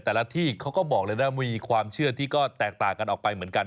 แต่ละที่เขาก็บอกเลยนะมีความเชื่อที่ก็แตกต่างกันออกไปเหมือนกัน